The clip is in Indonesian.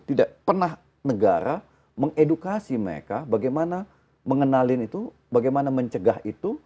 tidak pernah negara mengedukasi mereka bagaimana mengenalin itu bagaimana mencegah itu